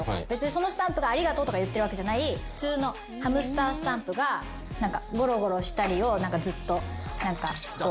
そのスタンプが「ありがとう」とか言ってるわけじゃない普通のハムスタースタンプがごろごろしたりをずっとニャンみたいのしたりとか。